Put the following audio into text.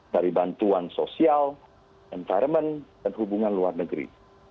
dari bantuan sosial environment dan hubungan luar negeri